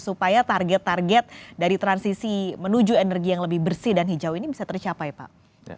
supaya target target dari transisi menuju energi yang lebih bersih dan hijau ini bisa tercapai pak